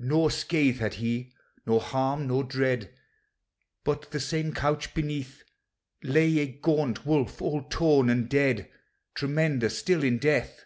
Nor scathe had he, nor harm, nor dread, But, the same couch beneath, Lay a gaunt wolf, all torn and dead, Tremendous still in death.